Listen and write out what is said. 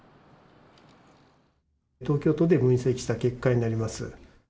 東京都で分析した結果になります。